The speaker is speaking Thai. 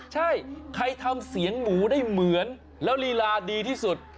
ใช่ใครทำเสียงหมูได้เหมือนแล้วลีลาดีที่สุด